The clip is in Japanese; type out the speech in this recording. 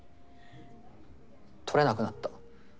撮れなくなった。